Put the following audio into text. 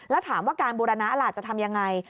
แล้วถามว่าการบูรณะล่ะจะทำยังไง